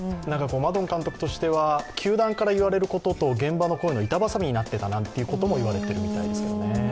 マドン監督としては、球団から言われることと、現場の声の板挟みになっていたなんてことも言われてるみたいです。